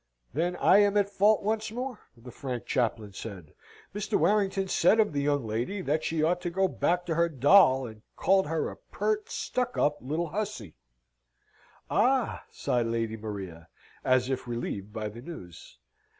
"Then I am at fault once more," the frank chaplain said. "Mr. Warrington said of the young lady, that she ought to go back to her doll, and called her a pert, stuck up little hussy." "Ah!" sighed Lady Maria, as if relieved by the news.